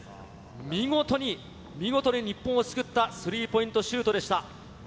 見事に見事に日本を救った、スリーポイントシュートでした。